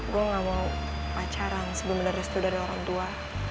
gue gak mau pacaran sebenarnya restu dari orang tua